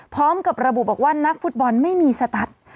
พร้อมกับระบุบอกว่านักฟุตบอลไม่มีสตัส